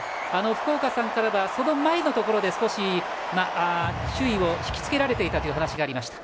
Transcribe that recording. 福岡さんからはその前のところで少し注意を引きつけられていたという話がありました。